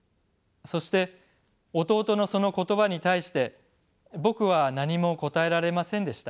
そして弟のその言葉に対して僕は何も答えられませんでした。